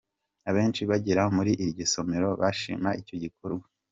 Abenshi bagera muri iryo somero bashima icyo gikorwa.